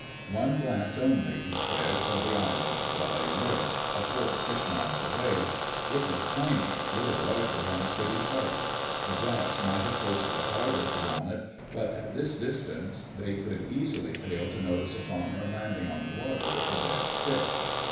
One glance only he spared for the island that lay nearest, a full six miles away. It was tiny—little larger than a city park. The Japs might have posted a guard or two on it, but at this distance they could easily fail to notice a bomber landing on the water with a dead stick.